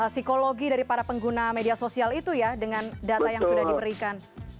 psikologi dari para pengguna media sosial itu ya dengan data yang sudah diberikan